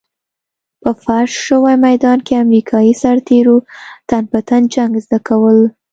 په فرش شوي ميدان کې امريکايي سرتېرو تن په تن جنګ زده کول.